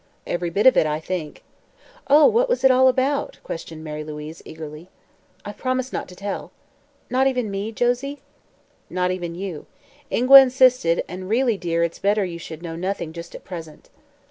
"Every bit of it, I think." "Oh, what was it all about?" questioned Mary Louise eagerly. "I've promised not to tell." "Not even me, Josie?" "Not even you. Ingua insisted; and, really, dear, it's better you should know nothing just at present."